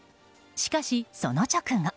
しかし、その直後。